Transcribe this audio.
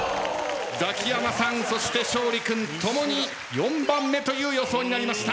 ザキヤマさんそして勝利君共に４番目という予想になりました。